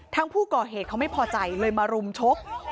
ทางผู้ก่อเหตุเขาไม่พอใจเลยมารุมชก